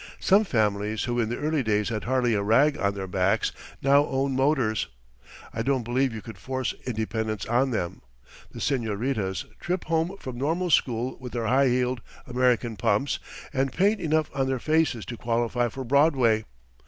Some families who in the early days had hardly a rag on their backs now own motors. I don't believe you could force independence on them! The señoritas trip home from normal school with their high heeled American pumps, and paint enough on their faces to qualify for Broadway.